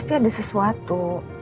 ini pasti ada sesuatu